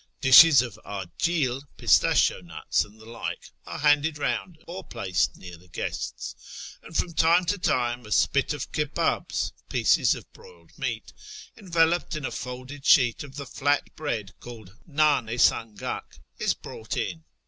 Dishes of " djil " (pistachio nuts and the like) are handed round or placed near the guests ; and from time to time a spit of Iccbdhs (pieces of broiled meat) enveloped in a folded sheet of the fiat bread called ndn i sangak} is brought in.